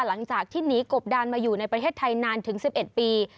หลังจากที่หนีกบดานมาอยู่ในประเทศไทยนานถึง๑๑ปี